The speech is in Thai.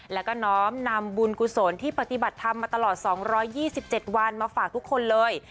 แล้วก็น้อมนำบุญกุศลที่ปฏิบัติธรรมมาตลอด๒๒๗วันมาฝากทุกคนเลย